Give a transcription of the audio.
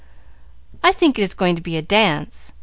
"I think it is going to be a dance.